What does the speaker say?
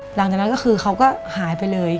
หลังจากนั้นก็คือเขาก็หายไปเลย